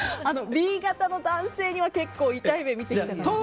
Ｂ型の男性には結構痛い目見てきたかな。